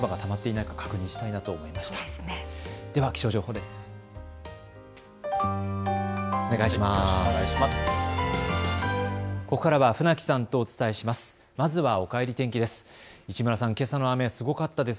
ここからは船木さんとお伝えします。